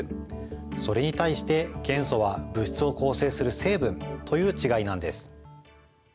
それに対して元素は物質を構成する成分という違いなんです。